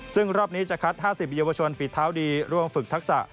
ซึ่งรอบนี้จะคัด๕๐เยาวชนฝีเท้าดีร่วมฝึกทักษะ